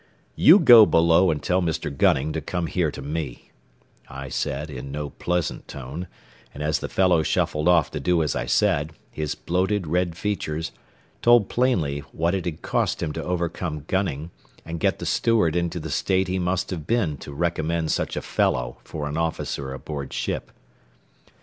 "You go below and tell Mr. Gunning to come here to me," I said, in no pleasant tone, and as the fellow shuffled off to do as I said, his bloated, red features told plainly what it had cost him to overcome Gunning and get the steward into the state he must have been to recommend such a fellow for an officer aboard ship.